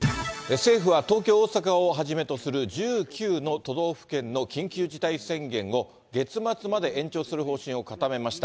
政府は東京、大阪をはじめとする１９の都道府県の緊急事態宣言を月末まで延長する方針を固めました。